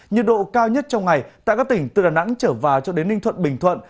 nhiệt độ cao nhất trong ngày tại các tỉnh từ đà nẵng trở vào cho đến ninh thuận bình thuận